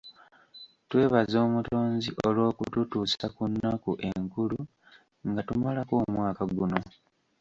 Twebaza omutonzi olw'okututuusa ku nnaku enkulu nga tumalako omwaka guno.